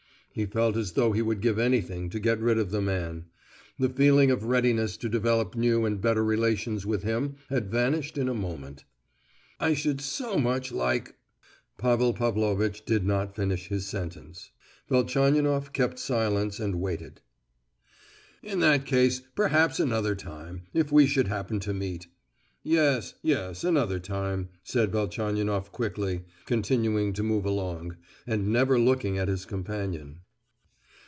He felt as though he would give anything to get rid of the man; the feeling of readiness to develop new and better relations with him had vanished in a moment. "I should so much like——" Pavel Pavlovitch did not finish his sentence; Velchaninoff kept silence and waited. "In that case, perhaps another time—if we should happen to meet." "Yes, yes, another time," said Velchaninoff quickly, continuing to move along, and never looking at his companion.